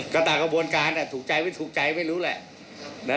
ก็ตามกระบวนการถูกใจไม่ถูกใจไม่รู้แหละ